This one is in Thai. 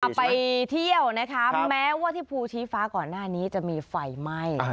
ไปเที่ยวนะคะแม้ว่าที่ภูชีฟ้าก่อนหน้านี้จะมีไฟไหม้